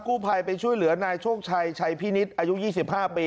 กู้ภัยไปช่วยเหลือนายโชคชัยชัยพินิษฐ์อายุ๒๕ปี